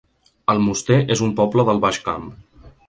Almoster es un poble del Baix Camp